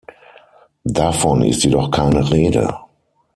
Davon ist jedoch keine Rede.